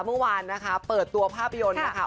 เมื่อวานนะคะเปิดตัวภาพยนตร์นะคะ